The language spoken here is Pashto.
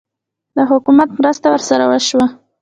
د حکومت مرسته ورسره وشوه؟